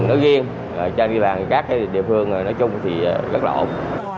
nói riêng trên địa bàn các địa phương nói chung thì rất là ổn